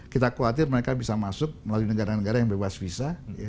kita khawatir mereka bisa masuk melalui negara negara yang bebas visa